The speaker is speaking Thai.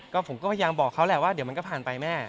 ก็ผมก็พยายามบอกเขาแหละว่าเดี๋ยวมันก็ผ่านไปแม่